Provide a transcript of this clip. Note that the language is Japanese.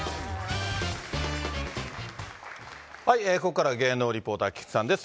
ここからは、芸能リポーター、菊池さんです。